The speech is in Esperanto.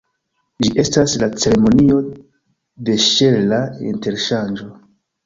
Ĝi estas la ceremonio de ŝela interŝanĝo.